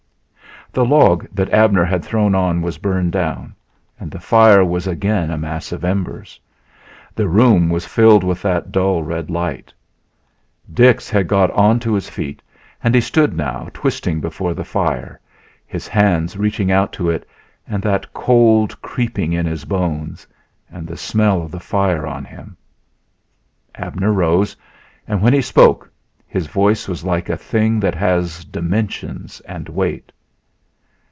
The log that Abner had thrown on was burned down, and the fire was again a mass of embers; the room was filled with that dull red light. Dix had got on to his feet, and he stood now twisting before the fire, his hands reaching out to it, and that cold creeping in his bones, and the smell of the fire on him. Abner rose. And when he spoke his voice was like a thing that has dimensions and weight.